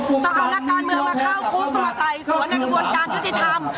ต้องเอานักการเมืองมาเข้าคุกมาไต่สวนในกระบวนการยุติธรรม